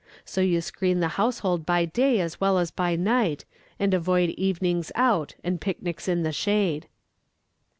So you screen the household by day as well as by night, and avoid evenings out and picnics in the shade.